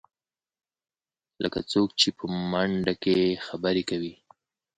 لکه څوک چې په منډه کې خبرې کوې.